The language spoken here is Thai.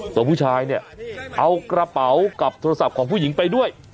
ส่วนผู้ชายเนี่ยเอากระเป๋ากับโทรศัพท์ของผู้หญิงไปด้วย